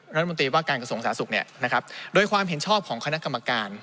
รัฐมนตรีว่าการกระทรวงสาธารสุขเนี่ยนะครับโดยความเห็นชอบของคณะกรรมการ